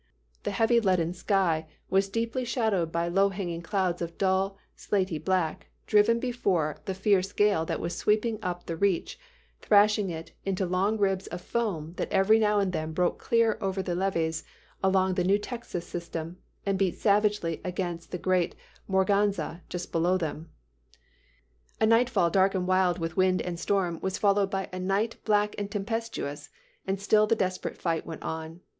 The heavy leaden sky was deeply shadowed by low hanging clouds of dull slaty black, driven before the fierce gale that was sweeping up the reach, thrashing it into long ribs of foam that every now and then broke clear over the levees all along the New Texas system, and beat savagely against the great Morganza, just below them. "A nightfall dark and wild with wind and storm was followed by a night black and tempestuous, and still the desperate fight went on.